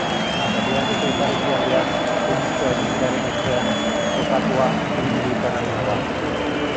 Herrialdeko ipar-ekialdean, Tunisko aintziraren ertzean, kokatua, hiri mediterraneoa da.